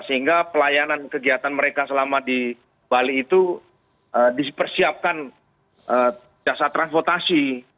sehingga pelayanan kegiatan mereka selama di bali itu dipersiapkan jasa transportasi